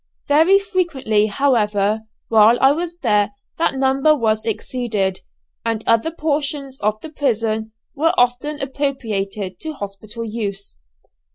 Very frequently, however, while I was here that number was exceeded, and other portions of the prison were often appropriated to hospital use.